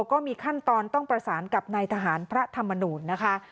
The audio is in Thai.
ก็มีขั้นตอนต้องประสานกับนายทหารพระธรรมนูญนะคะ